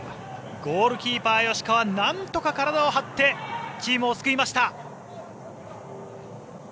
ゴールキーパー、吉川なんとか、体を張ってチームを救いました。